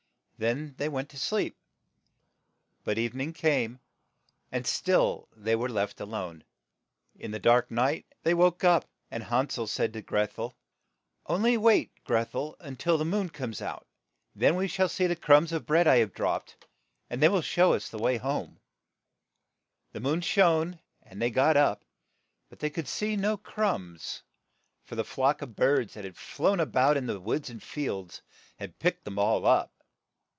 Then they went to sleep ; but the eve ning came, and still they were left a JIS^sSllllFjGiiitf*^ T j'|S||.*/ lone. In the dark night, they woke up, and Han sel said to Greth el, "On ly wait, Greth el, till the moon comes out ; then we shall see the crumbs of GRETHEL SHARES HER BREAD WITH HANSEL bread I have dropped, and they will show us the way home." The moon shone, and they got up, but they could see no crumbs, for the flocks of birds that had flown a bout in the woods and fields had picked them all up.